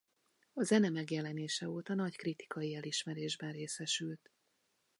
A zene megjelenése óta nagy kritikai elismerésben részesült.